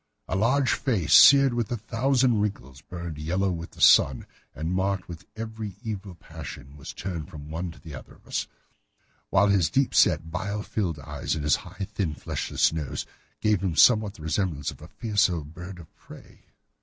A large face, seared with a thousand wrinkles, burned yellow with the sun, and marked with every evil passion, was turned from one to the other of us, while his deep set, bile shot eyes, and his high, thin, fleshless nose, gave him somewhat the resemblance to a fierce old bird of prey.